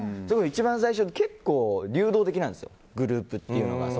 一番最初、結構流動的なんですグループっていうのが。